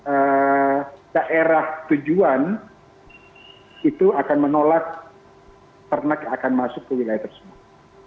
karena daerah tujuan itu akan menolak ternak akan masuk ke wilayah tersebut